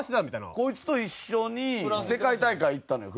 あっこいつと一緒に世界大会行ったのよ